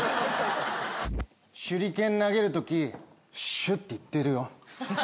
手裏剣なげる時「シュッ‼」って言ってるよ。